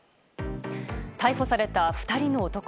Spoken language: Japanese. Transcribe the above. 逮捕された２人の男。